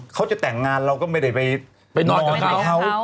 เขาจะแต่งงานเราก็ไม่ได้ไปนอนกับเขา